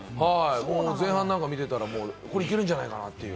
前半なんか見てたら、いけるんじゃないかなという。